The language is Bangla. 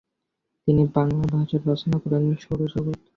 তিনি বাংলা ভাষায় রচনা করেন - ‘’সৌরজগৎ’’ ।